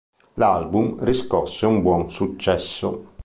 L'album riscosse un buon successo.